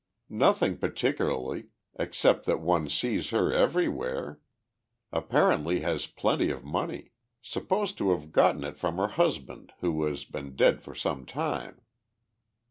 "Nothing particularly except that one sees her everywhere. Apparently has plenty of money. Supposed to have gotten it from her husband, who has been dead for some time.